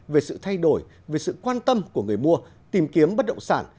về sự thay đổi về sự quan tâm của người mua tìm kiếm bất động sản